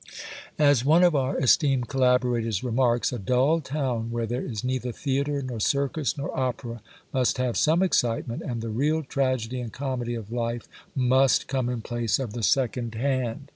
As one of our esteemed collaborators remarks,—'A dull town, where there is neither theatre nor circus nor opera, must have some excitement, and the real tragedy and comedy of life must come in place of the second hand.